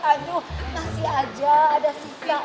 aduh masih aja ada sisanya itu